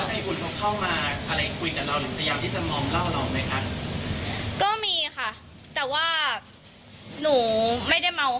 ตอนนั้นฮินเขาเข้ามาเคยกับเราหรือพยายามที่จะมาล้อม